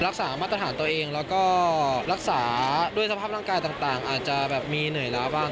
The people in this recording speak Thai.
รักษามาตรฐานตัวเองแล้วก็รักษาด้วยสภาพร่างกายต่างอาจจะแบบมีเหนื่อยแล้วบ้าง